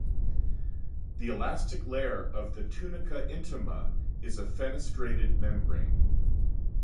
The elastic layer of the tunica intima is a fenestrated membrane.